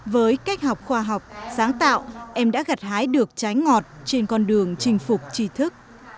với cách học khoa học sáng tạo em đã gặt hái được trái ngọt trên con đường chinh phục trí thức